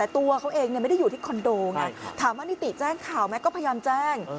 ตัวเขาเองไม่ได้อยู่ที่คอนโดไงถามว่านิติแจ้งข่าวไหมก็พยายามแจ้ง